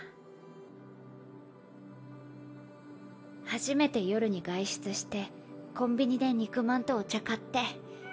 初めて夜に外出してコンビニで肉まんとお茶買って。